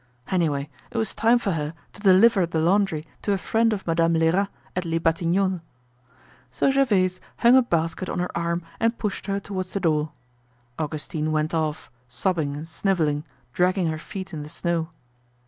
Anyway it was time for her to deliver the laundry to a friend of Madame Lerat at Les Batignolles. So Gervaise hung a basket on her arm and pushed her toward the door. Augustine went off, sobbing and sniveling, dragging her feet in the snow.